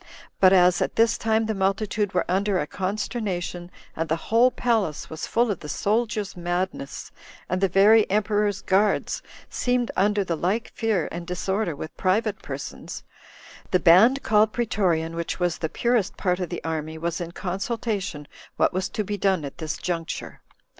But as at this time the multitude were under a consternation, and the whole palace was full of the soldiers' madness, and the very emperor's guards seemed under the like fear and disorder with private persons, the band called pretorian, which was the purest part of the army, was in consultation what was to be done at this juncture.